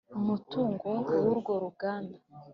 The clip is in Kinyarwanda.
umutungo wurwo ruganda.